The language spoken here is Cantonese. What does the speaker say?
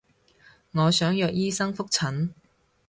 我想約醫生覆診